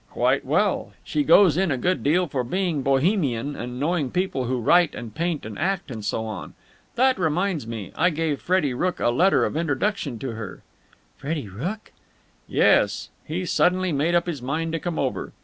"Quite well. She goes in a good deal for being Bohemian and knowing people who write and paint and act and so on. That reminds me. I gave Freddie Rooke a letter of introduction to her." "Freddie Rooke!" "Yes. He suddenly made up his mind to come over.